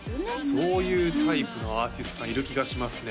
そういうタイプのアーティストさんいる気がしますね